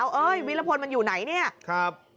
เอ้ยวิรพลมันอยู่ไหนเนี่ยครับ